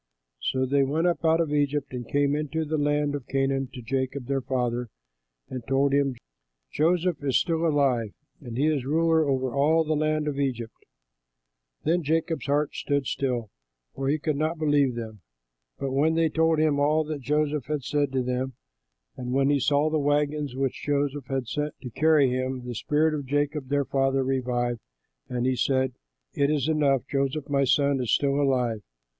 So they went up out of Egypt and came into the land of Canaan to Jacob their father, and told him, "Joseph is still alive, and he is ruler over all the land of Egypt!" Then Jacob's heart stood still, for he could not believe them. But when they told him all that Joseph had said to them and when he saw the wagons which Joseph had sent to carry him, the spirit of Jacob their father revived, and he said, "It is enough; Joseph my son is still alive.